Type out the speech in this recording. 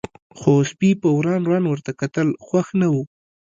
خو سپي په وران وران ورته کتل، خوښ نه و.